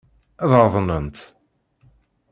Ad aḍnent.